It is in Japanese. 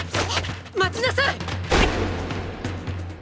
待ちなさい！